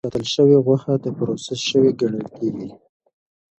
ډبیو کې ساتل شوې غوښه د پروسس شوې ګڼل کېږي.